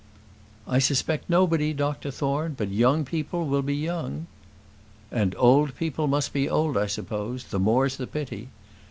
"I suspect nobody, Dr Thorne; but young people will be young." "And old people must be old, I suppose; the more's the pity.